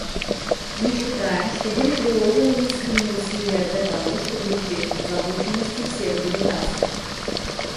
Мы считаем, что были приложены искренние усилия для того, чтобы учесть озабоченности всех делегаций.